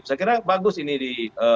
saya kira bagus ini di